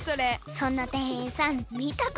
そんなてんいんさんみたことない。